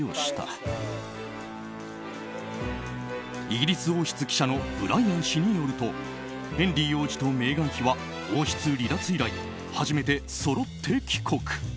イギリス王室記者のブライアン氏によるとヘンリー王子とメーガン妃は王室離脱以来初めてそろって帰国。